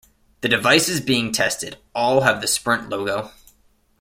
The devices being tested all have the Sprint logo.